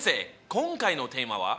今回のテーマは？